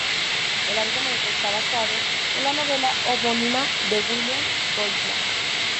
El argumento está basado en la novela homónima de William Goldman.